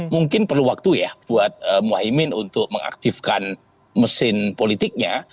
mungkin perlu waktu ya buat mohaimin untuk mengaktifkan mesin politiknya